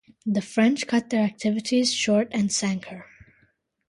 The French cut their activities short and sank her.